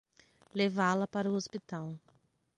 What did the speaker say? Levá-la para o hospital.